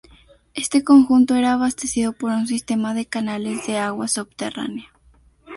Este conjunto era abastecido por un sistema de canales de agua subterránea.